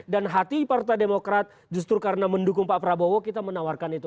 dan hati partai demokrat justru karena mendukung pak prabowo kita menawarkan itu